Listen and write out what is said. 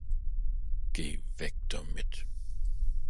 Geh weg damit!